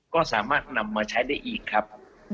ก็สามารถนำมาใช้ได้อีกครับ